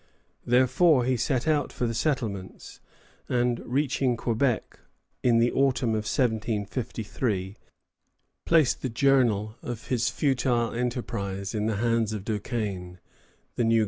Therefore he set out for the settlements, and, reaching Quebec in the autumn of 1753, placed the journal of his futile enterprise in the hands of Duquesne, the new governor.